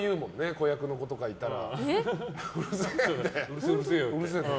子役の子とかがいたら。